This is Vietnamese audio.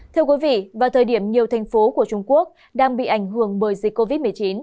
thưa quý vị vào thời điểm nhiều thành phố của trung quốc đang bị ảnh hưởng bởi dịch covid một mươi chín